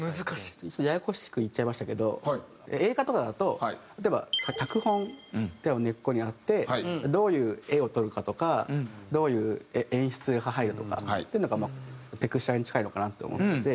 ややこしく言っちゃいましたけど映画とかだと例えば脚本っていうのが根っこにあってどういう画を撮るかとかどういう演出が入るとかっていうのがテクスチャーに近いのかなと思ってて。